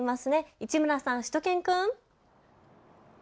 市村さん、しゅと犬くん。